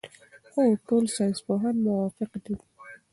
خو ټول ساینسپوهان موافق نه دي.